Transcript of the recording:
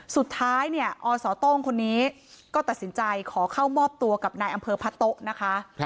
สุดท้ายเนี่ยอสโต้งคนนี้ก็ตัดสินใจขอเข้ามอบตัวกับนายอำเภอพะโต๊ะนะคะ